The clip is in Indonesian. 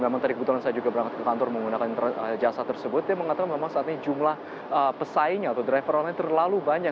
namun tadi kebetulan saya juga berangkat ke kantor menggunakan jasa tersebut dia mengatakan memang saat ini jumlah pesaingnya atau driver online terlalu banyak